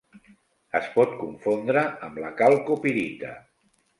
Es pot confondre amb la calcopirita.